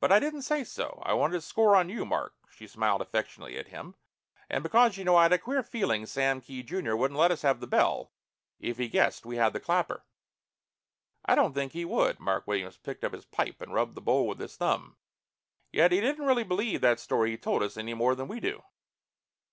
But I didn't say so. I wanted to score on you, Mark " she smiled affectionately at him "and because, you know, I had a queer feeling Sam Kee, junior, wouldn't let us have the bell if he guessed we had the clapper." "I don't think he would." Mark Williams picked up his pipe and rubbed the bowl with his thumb. "Yet he didn't really believe that story he told us any more than we do."